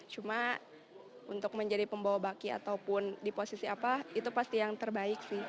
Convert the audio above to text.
cuma untuk menjadi pembawa baki ataupun di posisi apa itu pasti yang terbaik sih